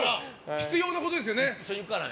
必要なことですよね。